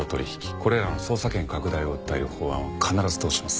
これらの捜査権拡大を訴える法案は必ず通します。